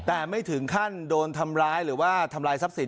แต่ไม่ถึงขั้นโดนทำร้ายหรือว่าทำลายทรัพย์สิน